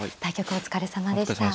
お疲れさまでした。